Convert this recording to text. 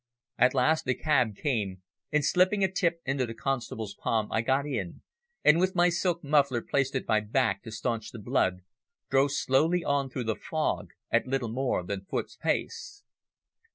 At last the cab came, and, slipping a tip into the constable's palm, I got in, and with my silk muffler placed at my back to staunch the blood, drove slowly on through the fog at little more than foot's pace.